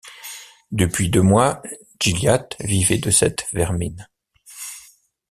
Depuis deux mois Gilliatt vivait de cette vermine.